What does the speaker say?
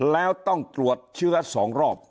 แล้วต้องตรวจเชื้อ๒รอบ